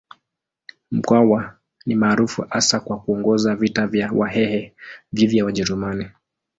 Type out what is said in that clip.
Mkwawa ni maarufu hasa kwa kuongoza vita vya Wahehe dhidi ya Wajerumani.